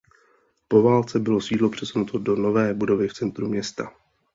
Po válce bylo sídlo přesunuto do nové budovy v centru města.